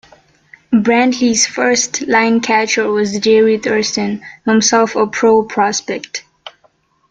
Brantley's first line catcher was Jerry Thurston, himself a pro prospect.